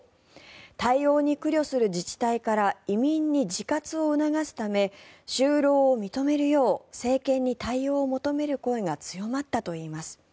対応に苦慮する自治体から移民に自活を促すため就労を認めるよう政権に対応を求める声が強まったといいます。